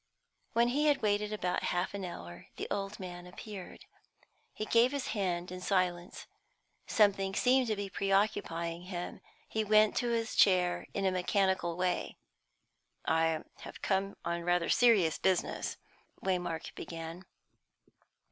When he had waited about half an hour, the old man appeared. He gave his hand in silence. Something seemed to be preoccupying him; he went to his chair in a mechanical way. "I have come on rather serious business," Waymark began.